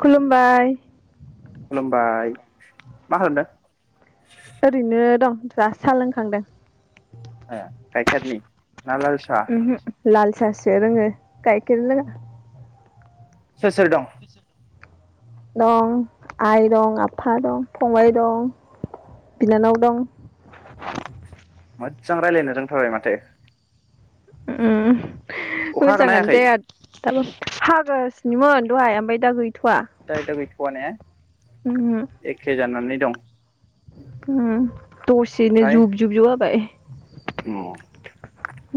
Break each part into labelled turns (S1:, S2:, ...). S1: खुलुमबाय
S2: खुलुमबाय मा खालामदों
S1: ओरैनो दं दासो सा लोंखांदों
S2: आया गायखेरनि
S1: ओंहो लाल सासो सो लोङो गायखेर लोङा
S2: सोर सोर दं
S1: दं आइ दं आफा दं फंबाय दं बिनानाव दं
S2: अ मोजां रायज्लायनो रोंथाराबबाय माथो
S1: उम
S2: अखा हागोन ना
S1: मोजाङानो
S2: हायाखै
S1: जाया [unintelligible] हागासिनोमोन दहाय आमफाय दा गै
S2: दाय दा गैथ'वा ने
S1: उमहो
S2: एखे जानानै दं
S1: उम दसेनो जुब-जुब-जुब हाबाय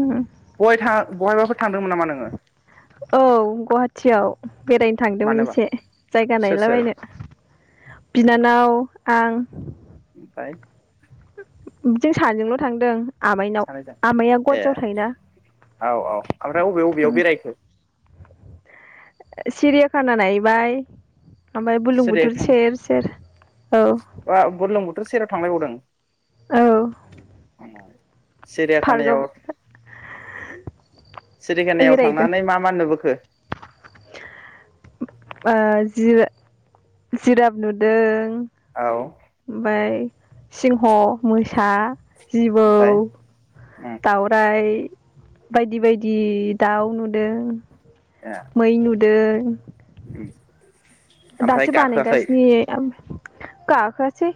S1: उम
S2: गय था बहायबाफोर थांदोंमोन नामा नोङो
S1: औ गुहाटियाव बेरायनो थांदोंमोन
S2: मानोबा
S1: एसे जायगा
S2: सोर सोर
S1: नायलाबायनो बिनानाव आं
S2: बाय
S1: जों सानैजोंल' थांदों आमाइनाव
S2: सानैजों
S1: आमाइया
S2: ए
S1: गुवाहाटियाव थायोना
S2: औ-औ ओमफ्राय अबे बबेयाव बेरायखो
S1: सिरिया खाना नायबाय ओमफ्राय बुरलुंबुथुर
S2: सिरियाखाना
S1: सेर-सेर औ
S2: बा बुरलुंबुथुर सेराव थांलायबावदों
S1: औ
S2: औ
S1: पार्कआव
S2: सिरियाखानायाव-सिरिखानायाव
S1: बेरायहैदों
S2: थांनानै मा-मा नुबोखो
S1: ओ जिर जिराफ नुदों
S2: औ
S1: ओमफ्राय सिंह, मोसा जिबौ,
S2: ओमफ्राय उम
S1: दाउराय बायदि-बायदि दाउ नुदों मै नु दोर
S2: उ
S1: दासो बानायगासिनो गाखोआसै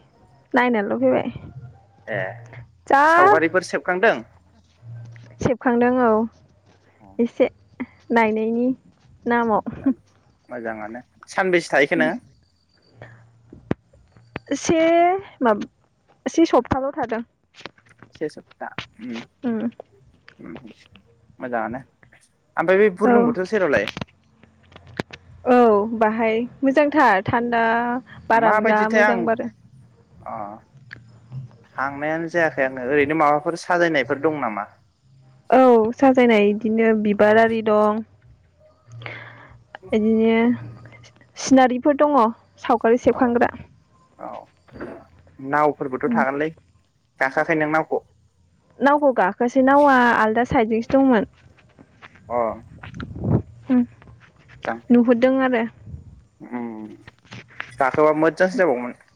S1: नायनाल' फैबाय
S2: ए
S1: जा
S2: सावगारिफोर सेबखांदों
S1: सेबखांदों औ एसे नाय नामाव
S2: नो सानबेसे थाहैखो नोङो
S1: से माब से सप्ताल' थादों
S2: से सप्ता
S1: उम
S2: मोजाङानो ओमफ्राय बे
S1: औ
S2: बुरलुंबुथुर सेरावलाय
S1: औ बाहाय मोजांथार थान्दा बारा जा
S2: माबायदिथाय
S1: मोजां
S2: आं
S1: बारो
S2: अ थांनायानो जायाखै आङो ओरैनो माबाफोर साजायनायफोर दं नामा
S1: औ साजायनाय बिदिनो बिबार आरि दं इदिनो सिनारिफोर दङ सावगारि
S2: औ
S1: सेबखांग्रा
S2: औ नावफोरबोथ'
S1: उम
S2: थागोनलै गाखोयाखै नों नावखौ
S1: नावखौ गाखोआसै नावा आलदा साइडजोंसो दंमोन
S2: अह
S1: ओम
S2: जां ओम दाथ मो [unintelligible]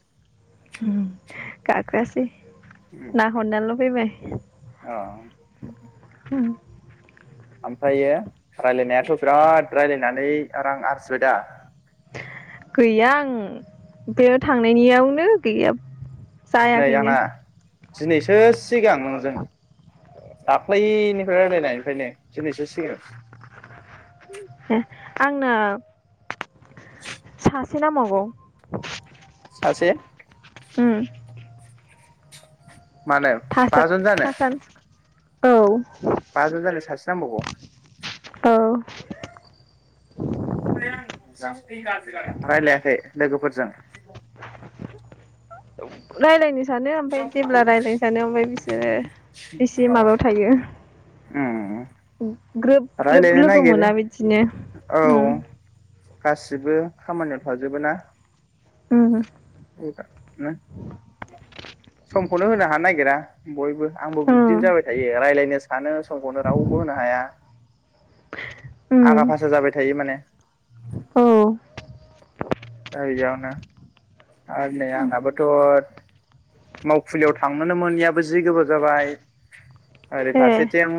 S1: गाखोआसै ना हरनाल फैबाय बि
S2: अह ओमफ्रायो रायलायनायाथ' बिराद रायलायनानै रां आरजिबाय दा
S1: गैया आं बेयाव थांनायनियावनो गैया
S2: नै
S1: जायाखैनो
S2: आंना दिनैसो सि सिगां नोंजों दाख्लैनिफ्राय रायलायनायनिफ्रायनो दिनैसो सिगां
S1: ए आंना सासे नांबावगौ
S2: सासे
S1: ओम
S2: मानो बाजन जानो
S1: थासान औ
S2: बाजोन जानो सासे नांबावगौ
S1: औ
S2: रायलायाखै लोगोफोरजों
S1: रायलायनो सानो ओमफ्राय जेब्ला रायज्लायनो सानो ओमफ्राय बिसोरो एसे
S2: औ
S1: माबायाव थायो
S2: [unintelligible]
S1: उम। ग्रोब ग्रोब
S2: रायलायनो
S1: लोगो
S2: नागिरो
S1: मोना बिदिनो
S2: औ
S1: उम।
S2: गासिबो खामानियाव थाजोबो ना।
S1: उम
S2: [unintelligible] समखौनो होनो हानो नागिरा। बयबो आंबो बिब्दिनो जाबाय
S1: उम
S2: थायो रायलायनो सानो समखौनो रावबो होनो हाया। आगा फासा जाबाय थायो माने। [inaudible]
S1: उम औ
S2: जायो इयावनो। आरो नै आंहाबोथ' मावखुलियाव थांनोनो मोनैयाबो जि गोबाव जाबाय। आरो
S1: ए
S2: फारसेथिं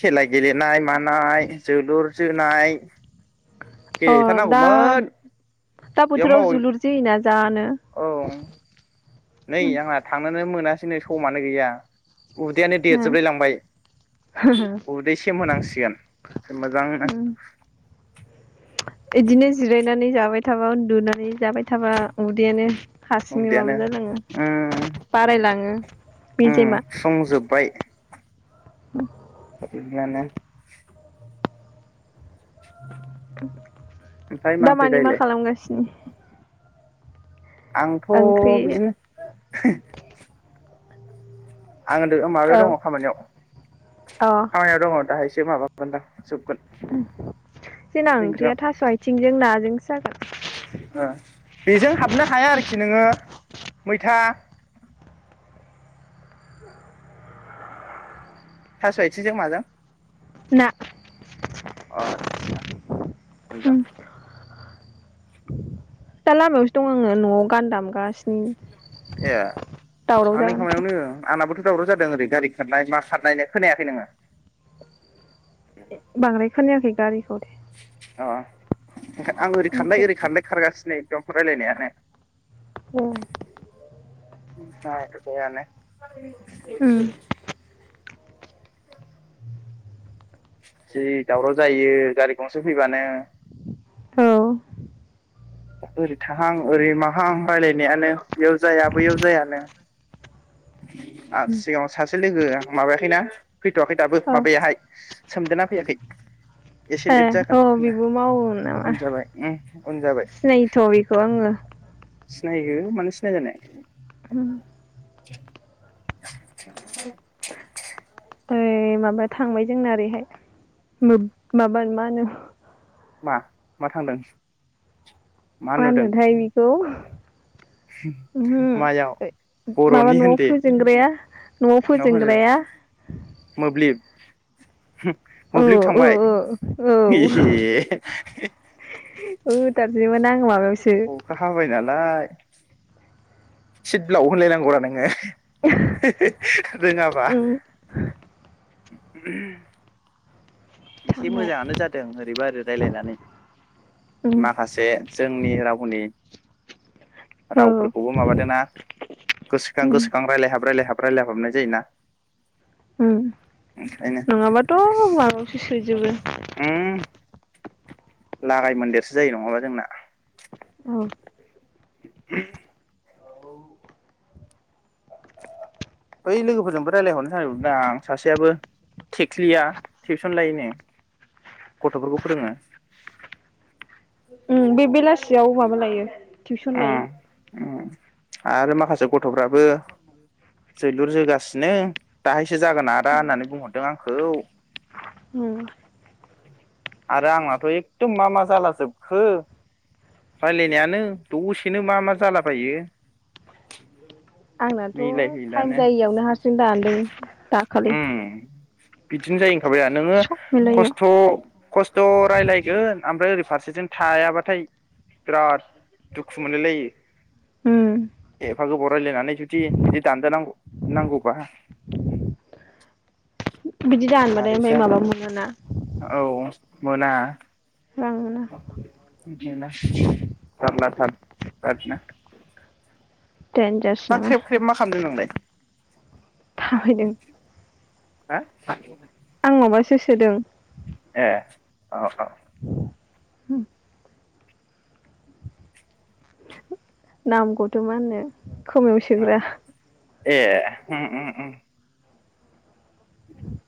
S2: खेला गेलेनाय मा नाय जोलुर जोनाय
S1: अ
S2: गेले
S1: दा
S2: हैथारनांगौमोन।
S1: दा बोथोराव जोलुर जोयोना जा नो।
S2: औ नै आंहा थांनोनो मोनास नै समानो गैया। उदैयानो देरजोबलायलांबाय उदै सेम होनांसिगोन मोजांनो।
S1: इदिनो जिरायनानै जाबाय थाबा उन्दुनानै जाबाय थाबा उदैयानो हारसिङै माबा
S2: उदैयानो
S1: जालाङो
S2: उम
S1: बारायलाङो
S2: उम
S1: मेजेमा।
S2: सुफुंजोब्बाय
S1: [unintelligible]
S2: [unintelligible] ओमफ्राय
S1: [inaudible]
S2: ओंख्रि
S1: दामानि मा
S2: जायोलाय
S1: खालामगासिनो?
S2: आंथ'
S1: ओंख्रि
S2: बिदिनो। आं [unintelligible] माबायाव
S1: औ
S2: दङ' खामानियाव।
S1: अ
S2: खामानियाव दङ' दाहाय [unintelligible]
S1: जोंना ओंख्रिया थास' आइथिंजों नाजों
S2: ओ बेजों हाबनो हाया आरोखि नोङो। मैथा। थास' आयथि जों माजों?
S1: ना।
S2: अ आचसा
S1: उम
S2: मोजां।
S1: दा लामायावस दं आङो न'आव गान दामगास
S2: ए
S1: दावराव
S2: आंनि
S1: जागोनखाय
S2: खामानियावनो आंनाबोथ' दावराव जादों ओरै गारि खारनाय मा खारनायनो खोनायाखै नोङो।
S1: बांद्राय खोनायाखै गारि
S2: औ। आं ओरै खारलाय ओरै
S1: मथरखौ
S2: खारलाय खारगासिनो रायलायनायानो।
S1: उम
S2: [unintelligible] [unintelligible] [inaudible] जि दावराव जायो गारि गंसे फैबानो।
S1: औ।
S2: ओरै थाहां ओरै माहां रायलायनायानो बेयाव जाया बैयाव जायानो आरो सिगाङाव सासे लोगो माबायाखैना फैथ'वाखै दाबो
S1: औ
S2: माबायाहाय सोमदोना फैयाखै एसे
S1: ए
S2: लेट जागोन
S1: औ
S2: होनना
S1: बेबो मावोमोन नामा
S2: उन जाबाय उम उन जाबाय
S1: सिनायोथ' बेखौ आङो।
S2: सिनायो मानो सिनाया जानो?
S1: होम।
S2: [inaudible] [inaudible]
S1: ओइ माबा थांबाय जोंना ओरैहाय माबा मा होनो
S2: मा मा थांदों?
S1: मा होनोथाय बेखौ? ओमहो
S2: मायाव
S1: माबा
S2: बर'नि
S1: न'आव
S2: होनदे
S1: फोजोंग्राया न'आव
S2: उनाव होनो
S1: फोजोंग्राया
S2: मोब्लिब [inaudible] मोब्लिब थांबाय
S1: औ
S2: एह।
S1: हो दाननोसैमोन आं माबायावसो
S2: अखा हाबाय नालाय [inaudible] सिद ब्लाव होनलायनांगौरा नोङो रोङाबा। [inaudible]
S1: उम
S2: एसे
S1: थांबाय
S2: मोजाङानो जादों ओरैबा ओरै रायलायनानै।
S1: उम
S2: माखासे जोंनि रावनि
S1: औ
S2: रावफोरखौबो माबादों ना गोसोखां
S1: उम
S2: गोसोखां रायलायहाब रायलायहाब रायलायहाबनाय जायोना
S1: उम
S2: ओंखायनो
S1: नङाबाथ' [unintelligible] सोजोबो।
S2: माबादों उम लागाय मोनदेरसो जायो नङाबा जोंना।
S1: औ
S2: [unintelligible] बै लोगोफोरजोंबो रायलायहरनो [unintelligible] दा सासेयाबो थेख्लिया टिउसन लायनो गथ'फोरखौ फोरोङो।
S1: बे बेलासियाव माबा लायो टिउसन लायो
S2: ओम ओम। आरो माखासे गथ'फ्राबो जोलुर जोगासिनो दाहायसो जागोन आदा होननानै बुंहरदों आंखौ
S1: उम
S2: आरो आंनाथ' एखदम मा मा जाला जोबखो रायलायनायानो। दसेनो मा मा जालाबायो।
S1: आंनाथ' टाइम
S2: मिलायहैलानो
S1: जायैयावनो हारसिं दानदों दाखालि।
S2: उम बिदिनो जायो थाबाया नोङो
S1: सब मिलायियाव
S2: खस्थ' खस्थ' रायलायगोन ओमफ्राय ओरै फारसेथि थायाबाथाय बिराद दुखु मोनलायलायो
S1: उम
S2: एफा गोबाव रायलायनानै जुदि बिदि दानजा नांगौ नांगौबा।
S1: बिदि दानबथाय
S2: मारै
S1: ओमफ्राय माबा
S2: जागोन
S1: मोनोना
S2: औ मोना। [inaudible] जारलाथार बिराथनो।
S1: देनजारसो
S2: मा
S1: नामा
S2: ख्रेब ख्रेब मा खालामदों नोंलाय?
S1: थाबायदों।
S2: हा?
S1: माबा सो सोदों
S2: ए औ औ।
S1: नामखौथ' मा होननो।
S2: औ ए। उम उम।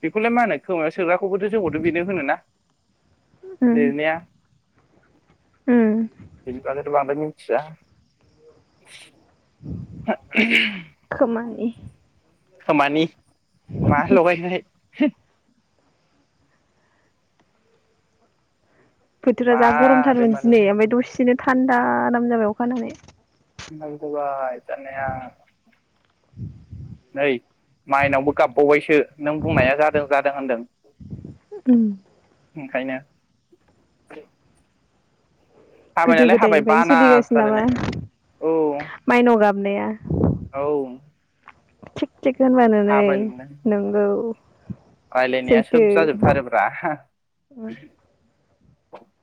S2: बेखौलाय मा होनो खोमाया सोग्राखौबोथ' जोंखौथ' बेनो होनोना
S1: उम
S2: लिरनाया
S1: उम
S2: बेनि बागैथ' बांद्राय मिथिया।
S1: खोमानि।
S2: खोमानि मा लगायखाय।
S1: बोथोरा जा
S2: मारै
S1: गरमथारमोन
S2: मारै
S1: दिनै ओमफ्राय दसेनो थान्दा आराम जाबाय अखा हानानै।
S2: [unintelligible] नै माइनावबो गाबबावबायसो नों बुंनाया जादों जादों होनदों।
S1: उम
S2: खायनो।
S1: गोदो गोदायनिफ्रायनो
S2: बाना
S1: सोलिगासिनो नामा
S2: जालायनाय औ
S1: माइनाव गाब नाया
S2: औ
S1: थिग थिग होनबानो नै
S2: थाबायनो
S1: नंगौ।
S2: रायलायनाया
S1: सैथो
S2: सोब जाजोबथारोब्रा।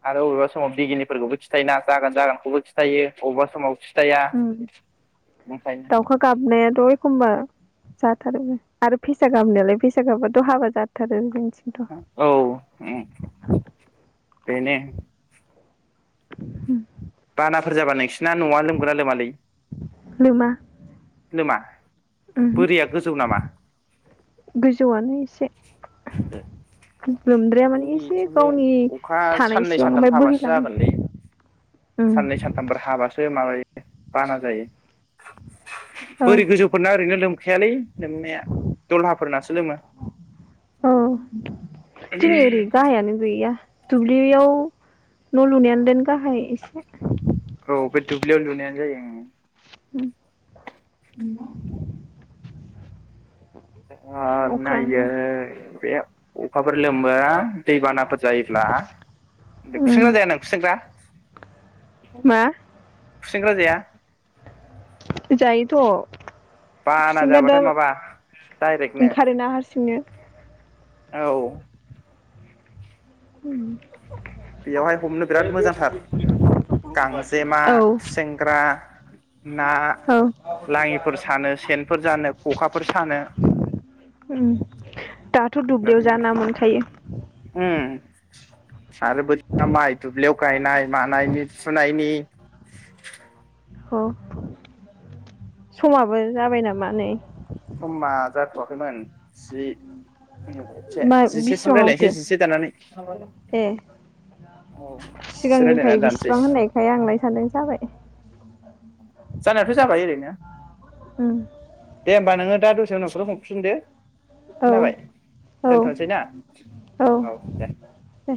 S2: आरो बबेबा समाव बिगिनिफोरखौबो खिथायोना जागोन जागोनखौबो खिथायो अबेबा समाव खिथाया
S1: उम
S2: ओंखायनो
S1: दावखा गाबनायाथ' एखमबा जाथारोबो आरो फेसा गाबनायालाय फेसा गाबामबाथ' हाबा जाथारो। जोंनिथिंथ'
S2: औ उम बेनो
S1: [unintelligible]
S2: बानाफोर जाबा नोंसि ना नआ लोमोगोन ना लोमालै?
S1: लोमा
S2: लोमा? बोरिया गोजौ नामा
S1: गोजौआनो एसे। लोमद्राया माने एसे गावनि
S2: अखा साननै
S1: थानायसिबां
S2: सानथाम
S1: ओमफ्राय
S2: हाबासो
S1: बोहैलाङो
S2: जागोनलै
S1: उम
S2: साननै सानथामफोर हाबासो माबायो बाना जायो।
S1: औ
S2: बोरै गोजौफोरना ओरैनो लोम खायालै लोमनाया दलहाफोरनासो लोमो।
S1: औ जोंनि ओरै गाहायानो गै या दुब्लियाव न' लुनायानो देन गाहाय एसे
S2: औ दुब्लियाव लुनायानो जायो ओं
S1: [unintelligible]
S2: [unintelligible]
S1: अख्रां
S2: अखाफोर लोमबा दैबाना फोर जायोब्ला खुसेंग्रा
S1: उम
S2: जाया नों खुसेंग्रा?
S1: मा
S2: खुसेंग्रा जाया?
S1: जायोथ'
S2: बाना
S1: खुसेंग्रा दा
S2: जाबाथाय माबा डाइरेक्टनो
S1: ओंखारोना हारसिंनो
S2: औ
S1: औ
S2: बेयावहाय हमनो बिराद मोजांथार गांजेमा
S1: औ
S2: खुसेंग्रा ना
S1: औ
S2: लाङिफोर सानो सेनफोर जानो खखाफोर सानो।
S1: उम दाथ' दुब्लियाव जा ना मोनखायो
S2: उम आरो माइ दुब्लियाव गायनाय मानायनि फुनायनि [unintelligible]
S1: अ समाबो जाबाय नामा नै
S2: समा जाथ'वाखैमोन जि से
S1: मा
S2: जिसेसिम रायजलायसै
S1: बिसिबाङावथो
S2: जिसे दानानै
S1: ए
S2: औ जिसे
S1: सिगांनिफ्राय
S2: रायजलायनानै दानसै
S1: बेसिबां होननायखाय आंलाय सानदों जाबाय
S2: जानायाथ' जाबाय ओरैनो
S1: ओम
S2: दे होमबा नो दसे उनावोल' हफिन दे
S1: औ
S2: खोनाबाय
S1: औ
S2: दोनथ'सै ना औ दे
S1: दे